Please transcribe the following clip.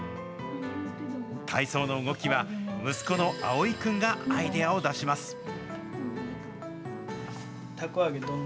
体操の動きは、息子の蒼生君がアイデアを出します。